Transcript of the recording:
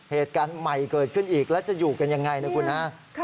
เหตุการณ์ใหม่เกิดขึ้นอีกแล้วจะอยู่กันยังไงนะคุณฮะ